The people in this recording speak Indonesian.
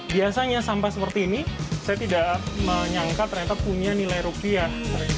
biasanya sampah seperti ini saya tidak menyangka ternyata punya nilai rupiah